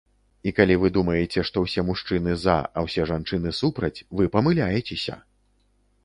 І калі вы думаеце, што ўсе мужчыны за, а ўсе жанчыны супраць, вы памыляецеся!